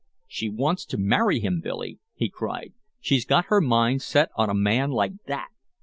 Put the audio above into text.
"She wants to marry him, Billy," he cried. "She's got her mind set on a man like that!